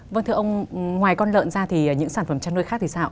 vâng thưa ông ngoài con lợn ra thì những sản phẩm chăn nuôi khác thì sao